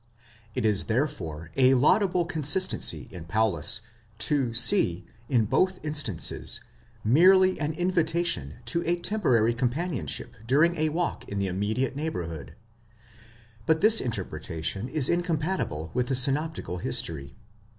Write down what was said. ἀκολούθει por? It is therefore a laudable consistency in Paulus, to see, in both instances, merely an invitation to a temporary companionship during a walk in the immediate neighbourhood.? But this interpretation is incompatible with the synoptical history.